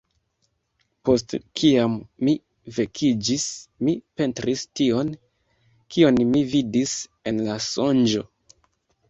Post kiam mi vekiĝis, mi pentris tion, kion mi vidis en la sonĝo.